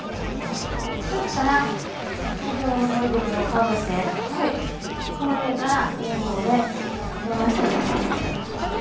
そしたら先ほどのポリ袋をかぶせこの上からめん棒でのばしていきます。